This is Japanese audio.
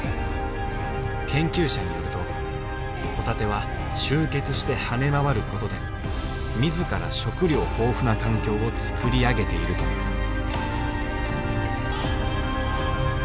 研究者によるとホタテは集結して跳ね回ることで自ら食料豊富な環境をつくり上げているという。